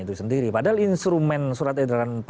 itu sendiri padahal instrumen surat edaran